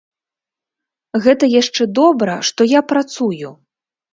Гэта яшчэ добра, што я працую.